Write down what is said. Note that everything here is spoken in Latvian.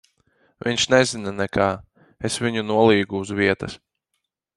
Viņš nezina nekā. Es viņu nolīgu uz vietas.